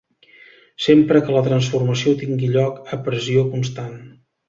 Sempre que la transformació tingui lloc a pressió constant.